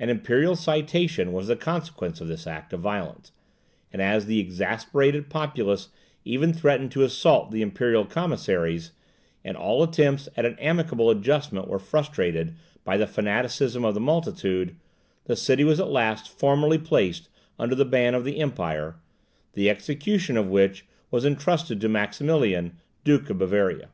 An imperial citation was the consequence of this act of violence; and as the exasperated populace even threatened to assault the imperial commissaries, and all attempts at an amicable adjustment were frustrated by the fanaticism of the multitude, the city was at last formally placed under the ban of the Empire, the execution of which was intrusted to Maximilian, Duke of Bavaria.